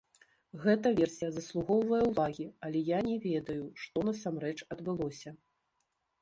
Гэта версія заслугоўвае ўвагі, але я не ведаю, што насамрэч адбылося.